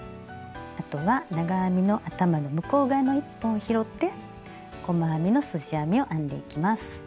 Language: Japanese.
あとは長編みの頭の向こう側の１本を拾って細編みのすじ編みを編んでいきます。